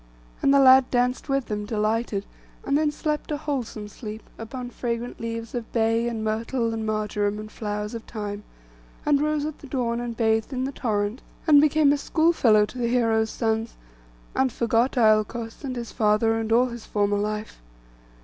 And the lad danced with them, delighted, and then slept a wholesome sleep, upon fragrant leaves of bay, and myrtle, and marjoram, and flowers of thyme; and rose at the dawn, and bathed in the torrent, and became a schoolfellow to the heroes' sons, and forgot Iolcos, and his father, and all his former life.